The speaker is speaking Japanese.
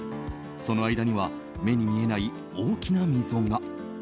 その間には目に見えない大きな溝が。